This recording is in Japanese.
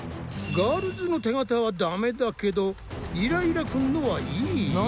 ガールズの手形はダメだけどイライラくんのはいい？